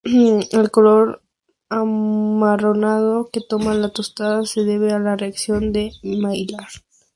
El color amarronado que toma la tostada se debe a la Reacción de Maillard.